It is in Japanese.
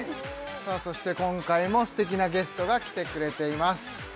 そして今回も素敵なゲストが来てくれています